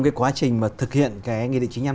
cái quá trình mà thực hiện cái nghị định chí nhân